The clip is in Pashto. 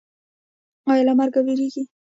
ایا له مرګ ویریږئ؟